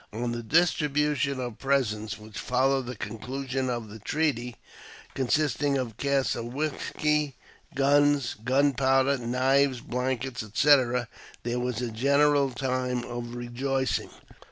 On the distribution of presents, which followed the conclusion of the treaty, consisting of casks of whisky, guns, gunpowder, knives, blankets, &c., there was a general time of rejoicing.